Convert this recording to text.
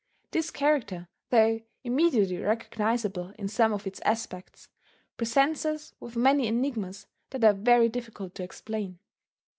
This character, though immediately recognizable in some of Its aspects, presents us with many enigmas that are very difficult to explain.